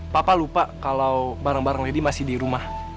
papa lupa kalau barang barang lady masih di rumah